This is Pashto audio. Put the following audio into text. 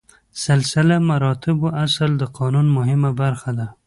سلسله مراتبو اصل د قانون مهمه برخه ده.